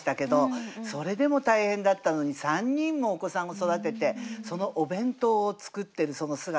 それでも大変だったのに３人もお子さんを育ててそのお弁当を作ってるその姿。